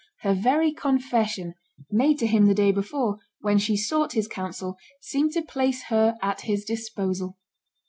Her very confession, made to him the day before, when she sought his counsel, seemed to place her at his disposal.